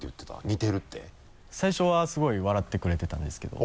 似てるって最初はすごい笑ってくれてたんですけど。